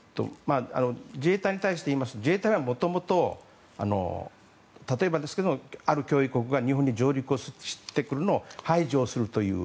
自衛隊に対していいますと自衛隊は、もともと例えばですけどある国が日本に上陸してくるのを排除するという。